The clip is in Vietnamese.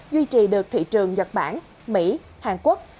duy trì được thị trường nhật bản mỹ hàn quốc